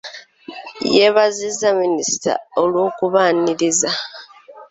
Yeebaziza Minisita olw'okubaaniriza.